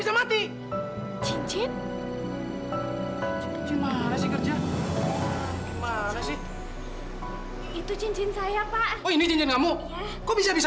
udah mak kita makan tempat lain aja